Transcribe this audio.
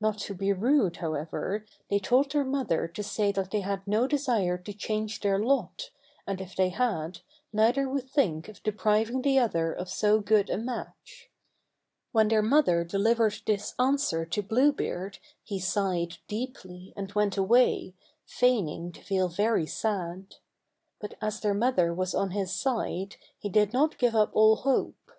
Not to be rude, however, they told their mother to say that they had no desire to change their lot, and if they had, neither would think of depriving the other of so good a match. When their mother delivered this answer to Blue Beard, he sighed deeply and went away, feigning to feel very sad. But as their mother was on his side, he did not give up all hope.